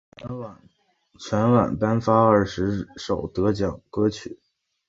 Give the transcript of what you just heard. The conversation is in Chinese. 全晚颁发二十首得奖歌曲。